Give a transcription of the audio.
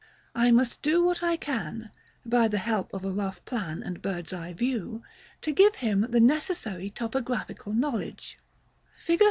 I must do what I can, by the help of a rough plan and bird's eye view, to give him the necessary topographical knowledge: Fig.